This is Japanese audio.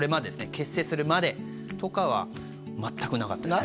結成するまでとかはまったくなかったです